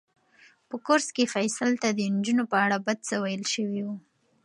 په کورس کې فیصل ته د نجونو په اړه بد څه ویل شوي وو.